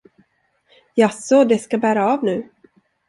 Jaså, det ska bära av nu?